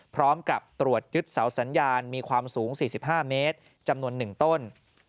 พร้อมกับตรวจยึดเสาสัญญาณมีความสูง๔๕เมตรจำนวน๑ต้น